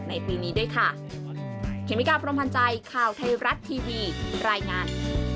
ในปีนี้ด้วยค่ะเคมิกาพรมพันธ์ใจข่าวไทยรัฐทีวีรายงาน